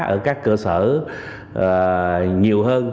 ở các cơ sở nhiều hơn